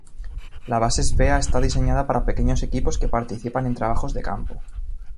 La Base Svea está diseñada para pequeños equipos que participan en trabajos de campo.